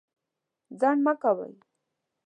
ځنډ مه کوئ.